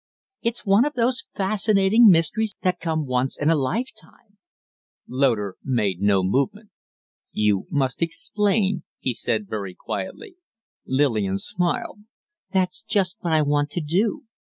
It's one of those fascinating mysteries that come once in a lifetime." Loder made no movement. "You must explain," he said, very quietly. Lillian smiled. "That's just what I want to do.